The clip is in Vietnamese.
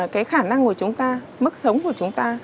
cái khả năng của chúng ta mức sống của chúng ta